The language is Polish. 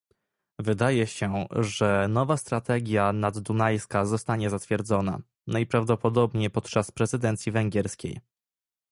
Wydaje się, że nowa strategia naddunajska zostanie zatwierdzona, najprawdopodobniej podczas prezydencji węgierskiej